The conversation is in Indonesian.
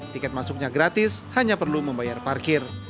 tiket masuknya gratis hanya perlu membayar parkir